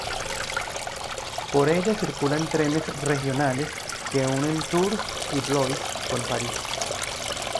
Por ella circulan trenes regionales que unen Tours y Blois con París.